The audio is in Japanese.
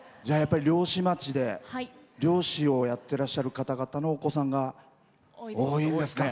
漁師町で漁師をやってらっしゃる方々のお子さんが多いんですか。